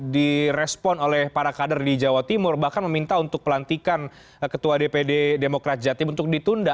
direspon oleh para kader di jawa timur bahkan meminta untuk pelantikan ketua dpd demokrat jatim untuk ditunda